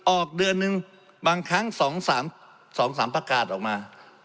ออกเดือนหนึ่งบางครั้ง๒๓ประกาศออกมา